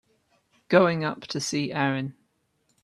Going up to see Erin.